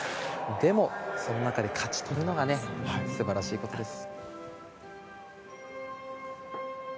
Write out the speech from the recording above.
でも、その中で勝ち取るのが素晴らしいことです。